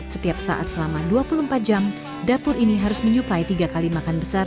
setiap saat selama dua puluh empat jam dapur ini harus menyuplai tiga kali makan besar